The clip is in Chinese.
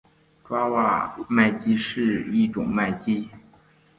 爪哇麦鸡是一种麦鸡。